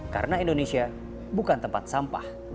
karena indonesia bukan tempat sampah